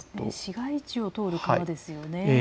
市街地を通る川ですよね。